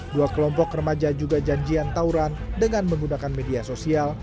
dua kelompok remaja juga janjian tawuran dengan menggunakan media sosial